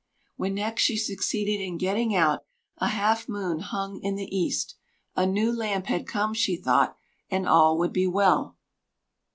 When next she succeeded in getting out, a half moon hung in the east: a new lamp had come, she thought, and all would be well.